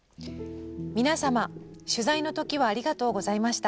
「皆様取材の時はありがとうございました。